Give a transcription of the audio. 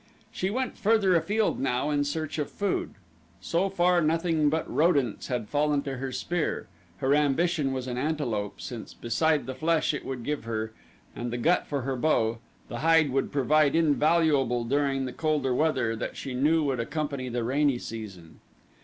She went further afield now in search of food. So far nothing but rodents had fallen to her spear her ambition was an antelope, since beside the flesh it would give her, and the gut for her bow, the hide would prove invaluable during the colder weather that she knew would accompany the rainy season.